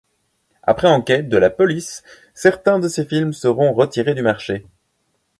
Après enquête de la police, certains de ses films seront retirés du marché.